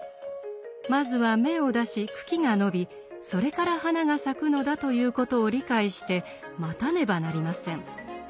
まずは芽を出し茎が伸びそれから花が咲くのだということを理解して待たねばなりません。